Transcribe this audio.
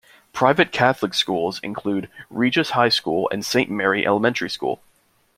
Private Catholic schools include Regis High School and Saint Mary Elementary School.